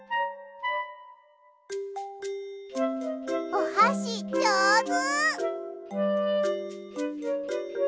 おはしじょうず！